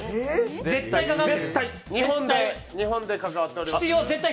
日本で関わっております。